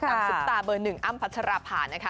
ซุปตาเบอร์หนึ่งอ้ำพัชราภานะคะ